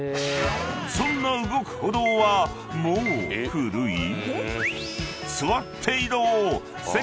［そんな動く歩道はもう古い？］